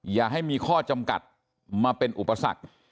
อย่าให้มีข้อจำกัดมาเป็นอุปสรรค